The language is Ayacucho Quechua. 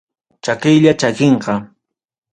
Chakiylla chakinqa.